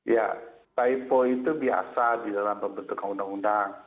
ya typo itu biasa di dalam pembentukan undang undang